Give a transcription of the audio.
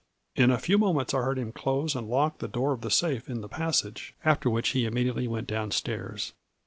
In a few moments I heard him close and lock the door of the safe in the passage, after which he immediately went down stairs.